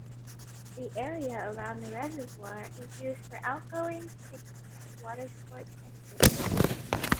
The area around the reservoir is used for outgoings, picnics, water sports and fishing.